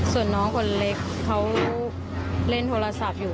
ส่วนน้องคนเล็กเขาเล่นโทรศัพท์อยู่